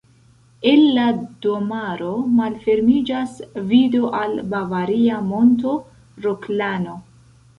El la domaro malfermiĝas vido al bavaria monto Roklano.